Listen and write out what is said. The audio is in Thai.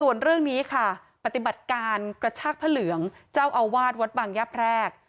ส่วนเรื่องนี้ค่ะปฏิบัติการกระชากพระเหลืองเจ้าอาวาสวัดบางยะแพรก